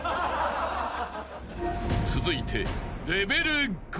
［続いて］